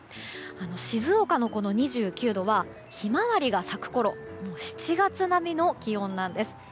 静岡の２９度はヒマワリが咲くころの７月並みの気温なんです。